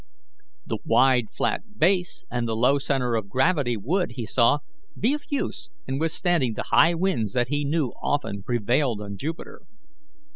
The wide, flat base and the low centre of gravity would, he saw, be of use in withstanding the high winds that he knew often prevailed on Jupiter.